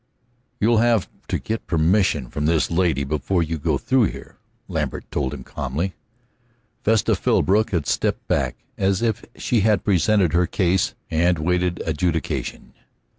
"You'll have to get permission from this lady before you go through here," Lambert told him calmly. Vesta Philbrook had stepped back, as if she had presented her case and waited adjudication.